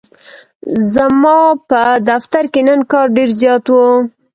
ځماپه دفترکی نن کار ډیرزیات و.